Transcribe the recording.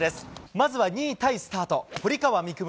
まずは２位タイスタート、堀川未来